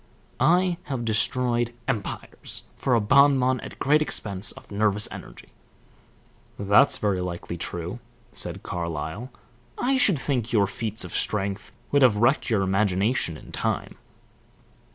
I have destroyed empires for a bon bon at great expense of nervous energy." "That's very likely true," said Carlyle. "I should think your feats of strength would have wrecked your imagination in time."